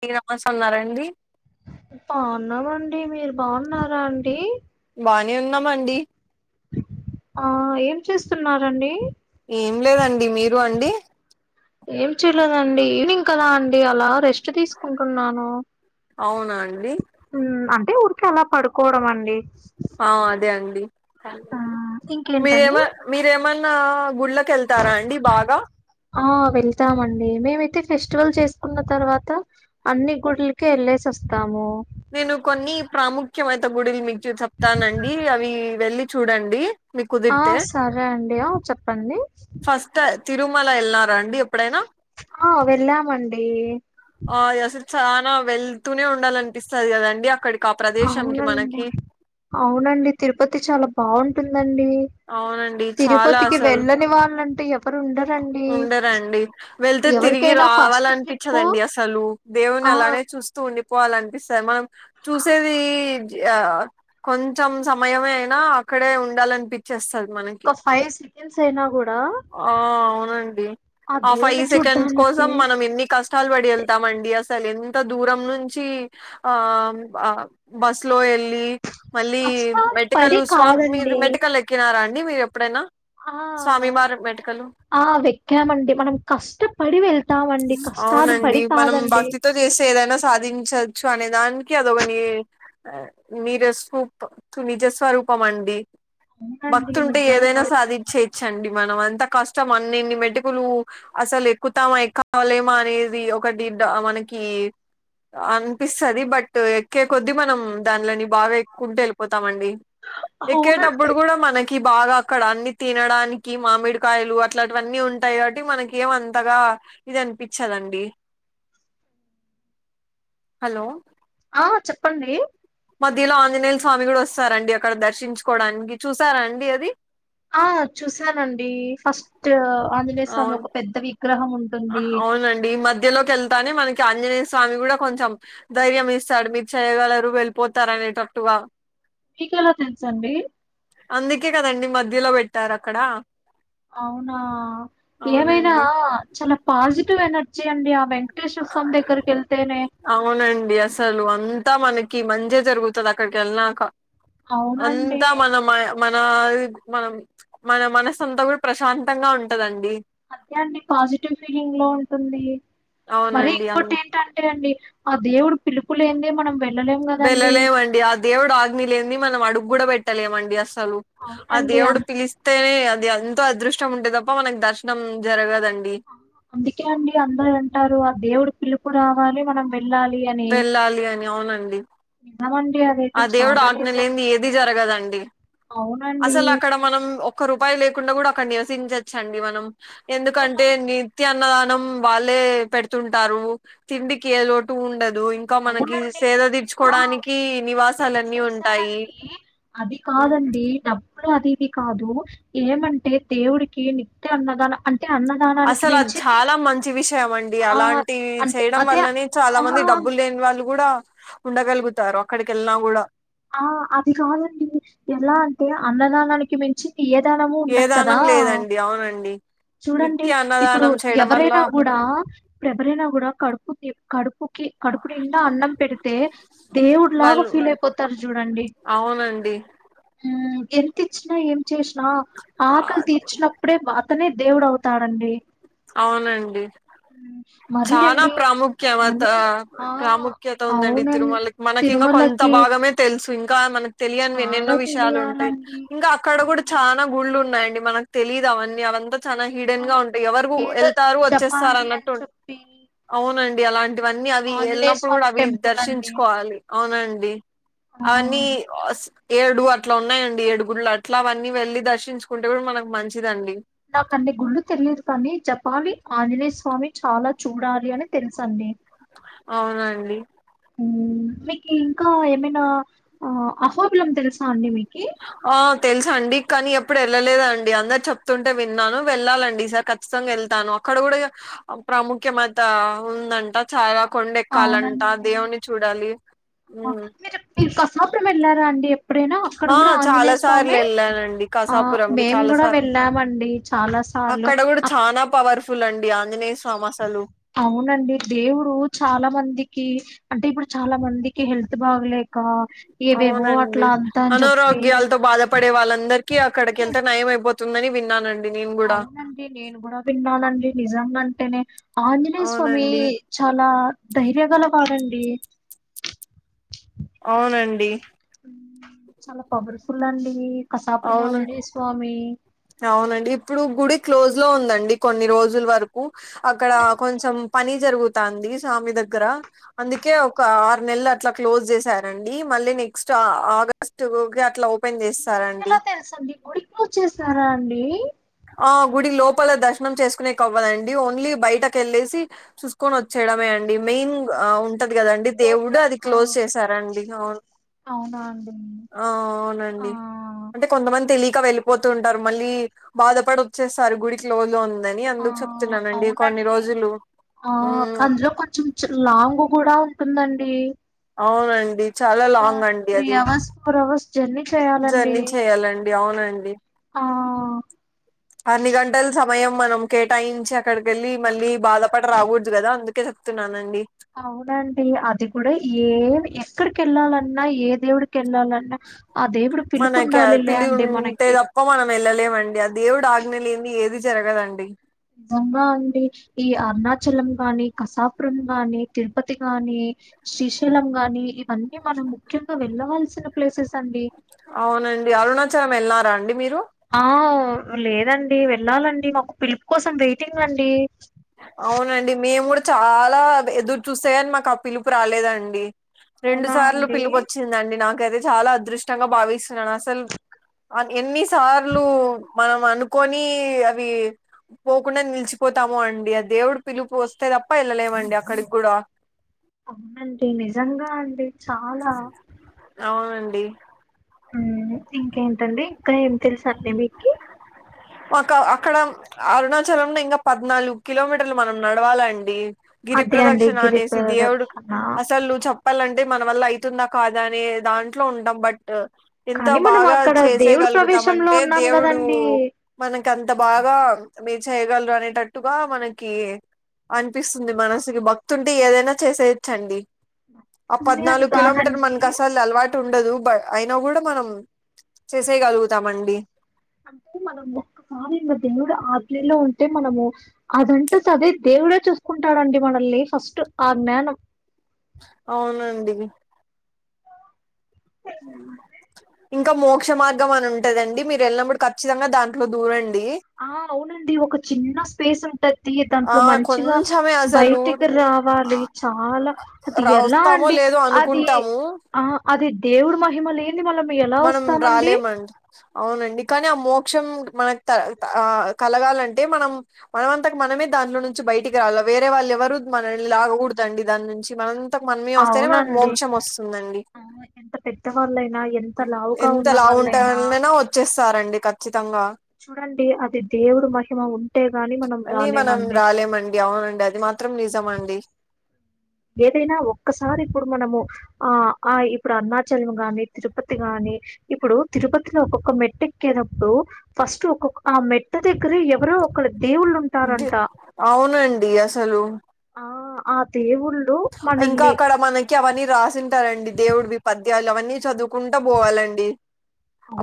మీకు నమస్తా ఉన్నారాండి బాగున్నామండి మీరు బాగున్నారా అండి బాగనే ఉన్నాము అండి ఆ ఏం చేస్తున్నారండి ఏం లేదండి మీరు అండి ఏం చేయలేదండి ఈవినింగ్ కదా అండి అలా రెస్ట్ తీసుకుంటున్నాను అవునా అండి ఉమ్, అంటే ఊరికే అలా పడుకోవడం అండి ఆ అదే అండి ఆ మీరేమ ఇంకేంటండి మీరేమన్నా గుళ్ళ కి కెళ్తారా అండి బాగా ఆ వెళ్తామండి మేమైతే ఫెస్టివల్ చేసుకున్న తర్వాత అన్ని గుడిలకి వెళ్లేేసి వ స్తాము నేను కొన్ని ప్రాముఖ్యమయిత గుడిలు మీకు చెప్తానండి అవి వెళ్ళి చూడండి మీకు ఆ కుదిరితే సరే అండి ఆ చెప్పండి ఫస్ట్ తిరుమల వెళ్ళారా అండి ఎప్పుడైనా ఆ వెళ్ళాము అండి చనా వెళ్తూనే ఉండాలా అనిపిస్తుంది కదండి అక్కడికి ఆ ప్రదేశంకి అవునండి మనకి అవునండి తిరుపతి చాలా బాగుంటుందండి అవునండి చాలా తిరుపతికి అసలు వెళ్ళని వాళ్ళంటే ఎవరు ఉండరండి ఉండరండి వెళ్తే హలో తిరిగి రావాలనిపించదండి అసలు దేవుని ఆ అలానే చూస్తూ ఉండి పోవాలనిపిస్తుంది మనం చూసేది కొంచెం సమయమే అయినా అక్కడే ఉండాలనిపి మనకి ఒక ఫైవ్ సెకండ్స్ అయినా కూడా ఆ అవునండి ఆ ఫైవ్ దేవుని సెకండ్స్ చూడ్డానికి కోసం మనం ఎన్ని కష్టాలు పడి వెళ్తామండి అ అసలు ఎంత దూరం నుంచి ఆ ఆ బస్సు లో వెళ్ళి మళ్ళీ కష్టాలు పడి మెట్టికలు స్వామి మీరు కాదండి మెట్టికలు ఎక్కినారా అండి మీరు ఎప్పుడైనా ఆ స్వామి మారి మెట్టికలు ఆ వెక్కామండి మనం కష్టపడి వెళ్తామండి కష్టాలు పడి కాదండి సాధించవచ్చు అనే దానికి అదొక ని నిజస్వరూ నిజస్వరూప పం అండి అవునండి భక్తి ఉంటే ఏదైనా నిజంగా సాధించేయచ్చండి మనం అంత కష్టం అనేన్ని మెటుకులు అసలు ఎక్కుతామా ఎక్కవాలేమా అనేది ఒకటి దా మనకి అనిపిస్తది బట్ ఎక్కే కొద్దీ మనం దానిలోని బాగా ఎక్కుంటే వెళ్ళిపోతామండి ఎక్కేటప్పుడు అవునండి కూడా మ బాగా అక్కడ అన్ని తినడానికి మామిడికాయలు అట్లాంటివన్నీ ఉంటాయి కాబట్టి మనక ఏం అంతగా ఇది అనిపించదండి హలో ఆ చెప్పండి మధ్యలో ఆంజనేయల స్వామి కూడా వస్తారండి అక్కడ దర్శించుకోవడానికి చూసారా అండి అది ఆ చూసానండి ఫస్ట్ ఆంజనేయస్వామి అవును ఒక పెద్దవి అవునండి మధ్యలోకి వెళ్తానే మనకి ఆంజనేయ స్వామి కూడా కొంచెం ధైర్యం ఇస్తాడు మీరు చేయ్యగలరు వెళ్ళిపోతారనేటట్టుగా మీకెలా తెలుసండి అందుకే కదండి మధ్యలో పెట్టారు అక్కడ అవునా ఏమైనా అవునండి చాలా పాజిటివ్ ఎనర్జీ అండి ఆ వెంక అవునండి అసలు అంత అంతా మనకి మంచే జరుగుతది అక్కడికి వెళ్లినాక అవునండి. అంతా మన మ మన మనం మన మనసు అంతా కూడా ప్రశాంతంగా ఉంటదండి అదే అండి పాజిటివ్ ఫీలింగ్ లో ఉంటుంది మరి అవునండి ఎక్కువ అం టైం పట్టలేదండి ఆ దేవుడు పిలుపు లేనిదే మనం వెళ్ళలేం గదండి. వెళ్ళలేమండి ఆ దేవుడు ఆజ్ఞలేనిదే మనం అడుగు కూడా పెట్టలేమండి అసలు అసలు ఆ అవునండి దేవుడు అన్ పిలిస్తేనే అది ఎంతో అదృష్టం ఉంటే తప్ప మనకు దర్శనం జరగదండి అందుకే అండి అందరు అంటారు ఆ దేవుడు పిలుపు రావాలి మనం వెళ్ళాలి అని. వెళ్ళాలి అని అవునండి నిజమండి అదైతే ఆ దేవుడు చాలా ఆజ్ఞ నిజం. లేనిదే ఏది జరగదండి అవునండి అసలు అక్కడ మనం ఒక్క రూపాయి లేకుండా కూడా నివసించొచ్చు అండి మనం ఎలా ఎందుకంటే నిత్య అన్నదానం వాళ్ళే పెడుతుంటారు తిండికి ఏ లోటు ఉండదు ఇంకా మనకి అవునండి. సేద ఆ తీర్చుకోవడానికి నేను నివాసాలన్నీ ఉంటాయి చూశానండి అది కాదండి డబ్బులు అది ఇది కాదు ఏమంటే దేవుడికి నిత్య అన్నదాన అంట అసలు అది చాలా మంచి విషయం అండి ఆ అలాంటివి అంటే చేయడం అదే వల్లనే చాలా ఆ మంది డబ్బు డబ్బులు లేని వాళ్ళు కూడా ఉండగలుగుతారు అక్కడికి వెళ్ళినా కూడా ఆ అది కాదండి ఎలా అంటే అన్నదానానికి మించి ఏ దానము ఉండదు కదా దానం లేదండి అవునండి ఏ చూడండి నిత్య ఇప్పుడు అన్నదానం చేయడం వల్ల ఎవరైనా కూడా ఎవరైనా కూడా కడుపు కడుపుకి కడుపునిండా అన్నం పెడితే దేవుడు లాగా వాళ్ళు ఫీల్ అయిపోతు అవునండి ఎంత ఇచ్చినా ఏం చేసినా ఆ ఆకలి తీర్చినప్పుడే అతనే దేవుడు అవుతాడండి అవునండి హ్మ్. మరీ చాలా అండి ప్రాముఖ్యవత కానీ ఆ! ప్రాముఖ్యత ఉందండి అవునం తిరుమలకి మనకి ఇంకా కొం త తిరుమలకి భాగమే తెలుసు ఇంకా మనకు తెలియని చాలా ఎన్నెన్నో విషయాలు ఉంటాయి తెలియాలండి. ఇంకా అక్కడ ఆ! కూడా చాలా గుళ్ళు ఉన్నాయి మనకు తెలీయదు అవన్నీ అవంతా చాలా ఆ! హీడెన్ గా ఉంటాయి ఎవరు ఏదో వెళ్తారు వచ్చేస్తారు జపాలి అని అన్నట్టు అవును చెప్పి అవునండి అలాంటివన్నీ అవి ఆంజనేయ వెళ్ళినప్పుడు స్వామి కూడా అవి టెంపుల్ అండి. దర్శించుకోవాలి అవునండి ఆ! అవన్నీ ఏడు అట్లా ఉన్నాయండి ఏడుగుళ్లు అట్లా అవన్నీ వెళ్ళి దర్శించుకుంటే కూడా మనకు మంచిదండి స్వామి ఆంజనేయ స్వామి చాలా చూడాలి అని తెలుసండి అవునండి నేను మీకు ఇంకా ఏమైనా అహోబిలం తెలుసా అండి మీ ఆ తెల్సండి కానీ ఎప్పుడు ఎళ్ళలేదండి అందరు చెప్తుంటే విన్నాను వెళ్ళాలండి ఈసారి ఖచ్చితంగా ఎళ్తాను అక్కడ కూడా ప్రాముఖ్యమత ఉందంట చాలా కొండ ఎక్కాలంట అవునండి దేవుని చూడాలి ఉమ్ మీరు మీరు కసాపురం ఎళ్లారాండి ఎప్పుడైనా అక్కడ ఆ కూడా చాలా ఆంజనేయ సార్లు స్వామి వెళ్ళానండి ఆ కసాపురంకి మేము చాలా కూడా సార్లు వెళ్ళామండి చాలా సార్లు అక్కడ కూడా అ- చానా పవర్ఫుల్ అండి ఆంజనేయ స్వామి అసలు అవునండి దేవుడు చాలా మందికి అంటే ఇప్పుడు చాలా మందికి హెల్త్ బాగలేక ఏవేవో అవునండి అట్లా అంతా అని చెప్పి అనారోగ్యాలతో బాధపడే వాళ్ళందరికీ అక్కడికేళ్తే నయం అయిపో తుందన్ని విన్నానం అవునండి నేను కూడా విన్నానండి నిజంగంటేనే ఆంజనేయస్వామి అవునండి చాలా ధైర్య గలవాడంండి అవునండి ఫుల్ అండి కసాపురం అవును ఆంజనేయస్వామి అవునండి ఇప్పుడు గుడి క్లోజ్లో ఉందండి కొన్ని రోజుల వరకు అక్కడ ఎందుకు కొంచెం పని జరుగుతాంది స్వామి దగ్గర అందుకే ఒక అవునా ఆరు నెల్లు అట్లా క్లోజ్ చేశారండి మళ్ళీ నెక్స్ట్ ఆగస్ట్‌కి అట్లా ఓపెన్ చేస్తారండి మీకెలా తెలుసండి గుడి‌ క్లోజ్ వచ్చేసారాంండి ఆ గుడి లోపల దర్శనం చేసుకునేకి అవ్వాదండి ఓన్లీ బయటకేళ్ళేసి చూసుకొని వచ్చేయడమే అండి మెయిన్ ఉంటది కదండి దేవుడు గోపురం అది ఆ క్లోజ్ చేశారండి అవును అవునా అండి అ ఆ అవునండి అంటే కొంతమంది తెలి కా వెళ్ళిపోతుంటారు మళ్ళీ బాధపడి వచ్చేస్తారు గుడి క్లోజ్లో ఉం దని ఆ అందుకు చెప్తున్నానండి కొన్ని అవునండి రోజులు ఆ హ్మ్. అందులో కొంచెం లాంగ్ కూడా ఉంటుందండి అవునండి చాలా ఒక లాంగండి త్రీ అది అవర్స్ ఫోర్ అవర్స్ జర్నీ చేయాలండి జర్నీ చేయాలండి అవునండి ఆ అన్ని గంటలు స మయం మనం కేటాయించి అక్కడికేళ్ళి మళ్ళీ బాధపడి రాకూడదు కదా అందుకే చెప్తున్నానండి అవునండి అది కూడా ఏం ఎక్కడికి ఎళ్ళాలన్నా ఏ దేవుడికి ఎళ్ళాలన్నా మనకి పిల్లి ఉంటే మనకి తప్ప మనం ఎళ్ళలేమం ఆ దేవుడు ఆజ్ఞ లేనిదే ఏది జరగదండి నిజంగా అండి ఈ అరుణాచలం గాని కసాపురం గాని తిరుపతి గాని శ్రీశైలం గాని ఇవన్నీ మనం ముఖ్యంగా వెళ్ళవల్సిన ప్లేసెస్ అండి అవునండి అరుణాచలం వెళ్ళారాండి మీరు ఆ లేదండి వెళ్ళాలండి మాకు పిలుపు కోసం వెయిటింగ్ అండి అవునండి మేము కూడా చాలా ఎదురు చూస్తాయని మాకు ఆ పిలుపు రాలేదండి రెండు అవునా సార్లు అండి? పిలుపోచ్చిందండి నాకైతే చాలా అదృష్టంగా భావిస్తున్నాను అసలు ఎన్నిసార్లు మనం అనుకొని అవి పోకుండా నిలిచిపోతాము అం డి ఆ దేవుడు పిలుపు వస్తే తప్ప ఎళ్లలేమండి అక్కడికి కూడా అవునండి నిజంగా అండి చాలా. అవునండి ఉమ్మ్ ఇంకేంటండి ఇంకా ఏం తెలుసండి మీకి ఒక అక్కడ అరుణాచలంలో ఇంకా పద్నాలుగు కిలోమీటర్లు మనం నడవాలండి గిరి అదే అండి ప్ర్రదక్షిణ గిరి అనేసి దేవుడు ప్రదక్షిణ. అసలు నువ్వు చెప్పాలం టే మన వల్ల అయితుందా కాదా అని దాంట్లో ఉంటాం బట్ ట్ ఎంతో కానీ మనం బాగా అక్కడ దేవుడి ప్రవేశంలో చేసేగలుగుతామంటే ఉన్నాం దేవుడు కదండి. మనకంత బాగా మీరు చేయగలరు అనేటట్టుగా మనకి అనిపిస్తుంది మనసుకి భక్తుంటే ఏదైనా చేసేయోచ్చండి ఆ ఉంది అని పద్నాలుగు కిలోమీటర్ కాదండి. మనకు అసలు అలవాటు ఉం ఉండదు బ అయినా కూడా మనం చేసేగలుగుతామండి. అంటే మనం ఒక్కసారి మా దేవుడు ఆజ్ఞలో ఉంటే మనము అదంటే సరే దే వుడే చూసుకుంటాడండి మనల్ని ఫస్ట్ ఆ జ్ఞానం అవునండి ఇంక మోక్ష మార్గం అని ఉంటదండి మీరు ఎళ్ళినప్పుడు ఖచ్చితంగా దాంట్లో దూరం ఆ అవునండి ఒక చిన్న స్పేస్ ఉంటది. తీ ఆ దాంట్లో మంచిగ కొంచెమే అసలు బయటికి రావాలి చాలా అది ఎలా అండి ఏదో అది అనుకుంటాము ఆ అది దేవుడ్ మహిమ లేంది మల మనం రాలేమండి అవునండి కానీ ఆ మోక్షం మనకు త త కలగాలంటే మనం మనమంతకు మనమే దాంట్లో నుంచి బయటికి రాల వేరే వాళ్ళు ఎవరు మనల్ని లాగకూడదండి దాని నుంచి మనం తకు మనమే వస్తేనే మనకు అవునండి మోక్షం వస్తుందండి ఆ ఎంత పెద్దవాళ్ళైనా ఎంత ఉ లావుగా ఉన్న ఎంతలావు వాళ్ళైనా ఉంటడెనో వచ్చేస్తారండి ఖచ్చితంగా చూడండి అది దేవుడు మహిమ ఉంటే గాని మనం అని మనం రాలేమండి రాలేమండి అవునండి అది మాత్రం నిజమండి ఏదైనా ఒక్కసారి ఇప్పుడు మనము ఆ ఆ ఇప్పుడు అరుణాచలం గాని తిరుపతి గాని ఇప్పుడు తిరుపతిలో ఒక్కొక్క మెట్ట ఎక్కే టప్పుడు ఫస్ట్ ఒక్కొ ఆ మెట్టు దగ్గర ఎవరో ఒకళ్ దేవుళ్ళు ది ఉంటారంట అవునండి ఆ ఆ దేవుళ్ళు ఇంక మనల్ని అక్కడ మనకి అవన్నీ రాసుంటారండి దేవుడువి పద్యాలు ఇలావన్నీ చదువుకుంటా పోవాలండి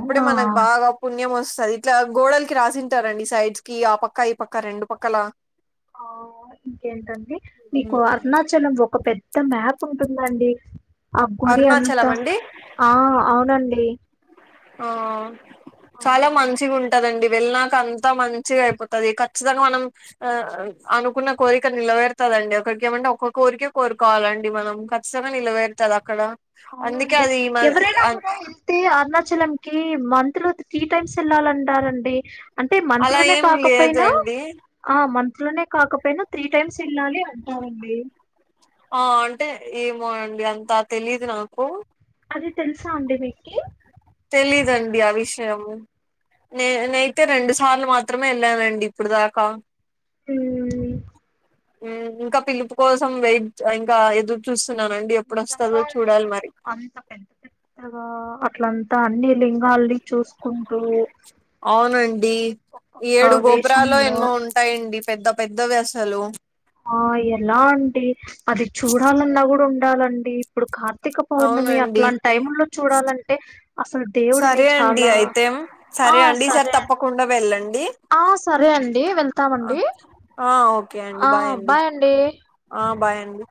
అప్పుడే మనకు బాగా పుణ్యమస్ అది ఇట్లా గోడలకిి రాసింటారండి సైడ్స్ కి ఆ పక్క ఈ పక్క రెండు పక్కల ఆవును ఇంకేంటండి నీకు హ్మ్ అరుణాచలం ఒ ఒక పెద్ద మ్యాప్ ఉంటుందండి ఆ గుడి అరుణాచలం అంతా అండి ఆ అవునండి ఆ చాలా ఆ మంచిగుంటదండి వెళ్ళాక అంతా మంచిగా అయిపోతది ఖచ్చితంగా మనం ఆ అనుకున్న కోరిక నిలవేరుతది రండి ఒకరికి ఏమంటే ఒక్క కోరిక కోరుకోవాలండి మనం ఖచ్చితంగ నిలవేరుతది అక్కడ అవున అందుకే అండి అది మ ఎవరైనా కూడా వెళ్తే అర్నా చలంకీ మంత్ లో త్రీ టైమ్స్ ఎళ్ళాలంటారండి అంటే మంత్ అలా లోనే ఏం కాకపోయినా లేదండి ఆ మంత్ లోనే కాకపోయినా త్రీ టైమ్స్ ఎళ్ళాలి అంటారండి. ఆ అంటే ఏమో అండి అంతా తెలిదు నాకు అది తెలుసా అండి మీకి తెలీదండి ఆ విషయము నే నేైతే రెండు సార్లు మాత్రమే ఎళ్ళానండి ఇప్పుడు దాకా ఊ ఊ ఇంకా పిలుపు కోసం వెయిట్ ఇంక ఎదురు చూస్ నిజంగా అండి అంత పెద్ద పెద్దగా అట్లంతా అన్ని లింక్ వాళ్ళీని చూసుకుంటూ అవునండి ఈ ఒక్కొక్క ఏడు గోపురాలో వేషంలో ఎన్నో ఉంటాయండి పెద్ద పెద్దవి అసలు ఆ ఎలా అండి అది చూడాలన్నా కూడ ఉండాలండి ఇప్పుడు కా కార్తిక పౌర్ణమి అవునండి అట్లాంటి టైముల్లో చూడాలంటే అసలు దేవుడిని సరే చాల అండి అయితే సరే అండి ఈసారి తప్పకుండా వెళ్ళం ఆ సరే అండి వెళ్తామండి ఆ ఓకే అండి ఆ బాయ్ అండి ఆ బాయండి